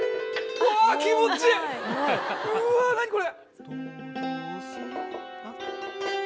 うわ何これ。